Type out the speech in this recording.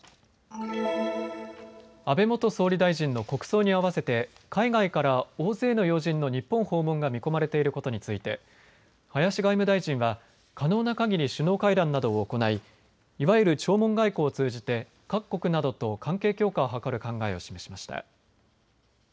安倍元総理大臣の国葬に合わせて海外から大勢の要人の日本訪問が見込まれていることについて、林外務大臣は可能なかぎり首脳会談などを行いいわゆる弔問外交を通じて各国などと関係強化を図る考えを示しました。